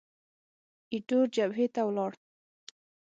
ایټور جبهې ته ولاړ.